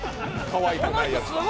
かわいくないやつ。